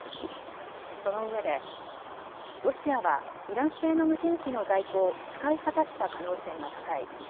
そのうえでロシアはイラン製の無人機の在庫を使い果たした可能性が高い。